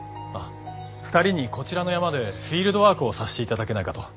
２人にこちらの山でフィールドワークをさしていただけないかと。